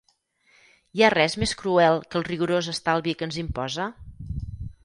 Hi ha res més cruel que el rigorós estalvi que ens imposa?